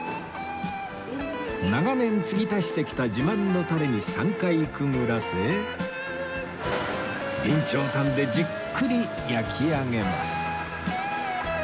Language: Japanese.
長年継ぎ足してきた自慢のタレに３回くぐらせ備長炭でじっくり焼き上げます